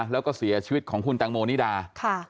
แล้วก็เสียชีวิตของคุณแตงโมนิดา